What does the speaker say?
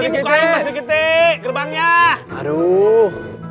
bukain mas rikiti gerbangnya